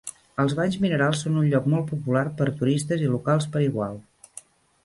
Els banys minerals són un lloc molt popular per turistes i locals per igual.